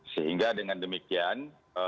sehingga dengan demikian